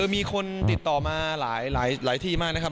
มีคนติดต่อมาหลายที่มากนะครับ